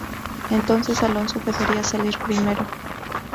Entonces Alonso debería salir primero.